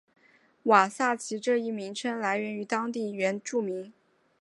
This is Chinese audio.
瓦萨奇这一名称来自于当地原住民。